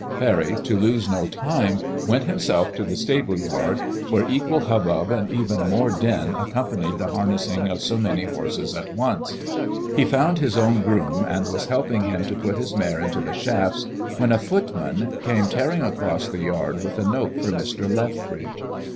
Parry, to lose no time, went himself to the stable yard, where equal hubbub and even more din accompanied the harnessing of so many horses at once. He found his own groom, and was helping him to put his mare into the shafts, when a footman came tearing across the yard with a note for Mr. Lrethbridge.